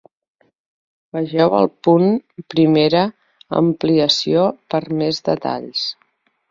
Vegeu el punt Primera Ampliació per més detalls.